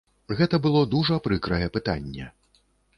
Гэта было дужа прыкрае пытанне.